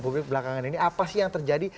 publik belakangan ini apa sih yang terjadi